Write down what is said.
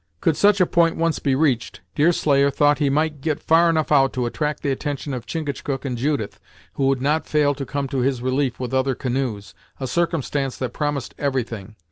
Could such a point once be reached, Deerslayer thought he might get far enough out to attract the attention of Chingachgook and Judith, who would not fail to come to his relief with other canoes, a circumstance that promised everything.